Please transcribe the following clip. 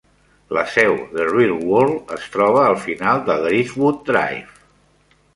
La seu de Real World es troba al final de Driftwood Drive.